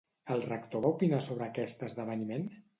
El rector va opinar sobre aquest esdeveniment?